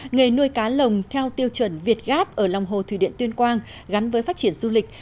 nghề nuôi cá lồng theo tiêu chuẩn việt gáp ở lòng hồ thủy điện tuyên quang gắn với phát triển du lịch